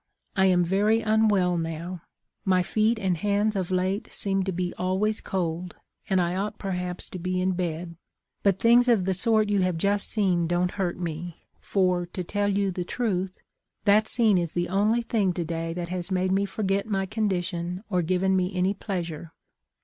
I am very unwell now ; my feet and hands of late seem to be always cold, and I ought perhaps to be in bed ; but things of the sort you have just seen don't hurt me, for, to tell you the truth, that scene is the only thing to day that has made me forget my condition or given me any pleasure.